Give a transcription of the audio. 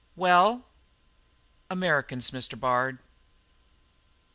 "Well?" "Americans, Mr. Bard."